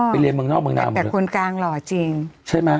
ไปเรียนเมืองนอก